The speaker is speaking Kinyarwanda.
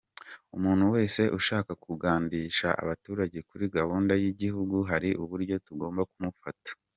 Umuntu wese ushaka kugandisha abaturage kuri gahunda y’Igihugu hari uburyo tugomba kumufata.